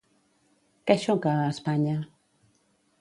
Què xoca a Espanya?